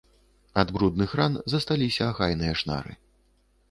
Ад брудных ран засталіся ахайныя шнары.